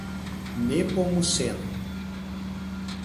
Nepomuceno